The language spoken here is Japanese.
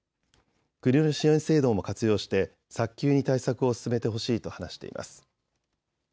国の支援制度も活用して早急に対策を進めてほしいと話しています。